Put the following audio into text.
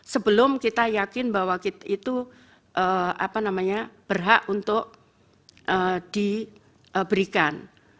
sebelum kita yakin bahwa kita itu berhak untuk diberikan